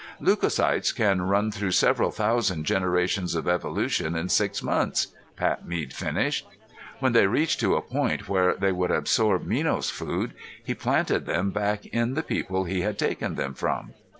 "Leucocytes can run through several thousand generations of evolution in six months," Pat Mead finished. "When they reached to a point where they would absorb Minos food, he planted them back in the people he had taken them from."